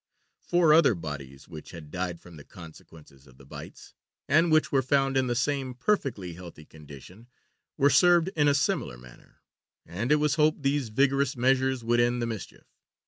Four other bodies which had died from the consequences of the bites, and which were found in the same perfectly healthy condition, were served in a similar manner; and it was hoped these vigorous measures would end the mischief.